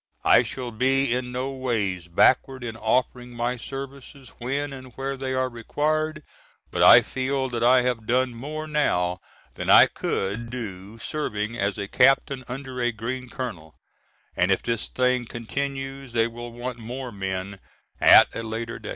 I shall be in no ways backward in offering my services when and where they are required, but I feel that I have done more now than I could do serving as a captain under a green colonel, and if this thing continues they will want more men at a later day.